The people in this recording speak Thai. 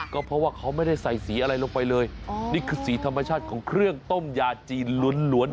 ก็เพราะว่าเขาไม่ได้ใส่สีอะไรลงไปเลยนี่คือสีธรรมชาติของเครื่องต้มยาจีนล้วน